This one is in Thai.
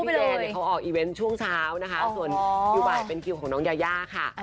เจเนี่ยเขาออกอีเวนต์ช่วงเช้านะคะส่วนคิวบ่ายเป็นคิวของน้องยายาค่ะ